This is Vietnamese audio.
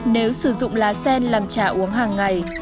nếu sử dụng lá sen làm trà uống hàng ngày